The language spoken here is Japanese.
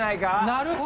なるほど。